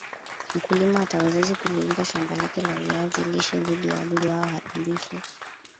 Mkulima atawezaje kulilinda shamba lake la viazi lishe dhidi ya wadudu hao haribifu